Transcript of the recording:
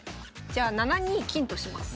じゃあ７二金とします。